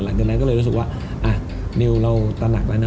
หลังจากนั้นก็เลยรู้สึกว่าอ่ะนิวเราตระหนักแล้วนะ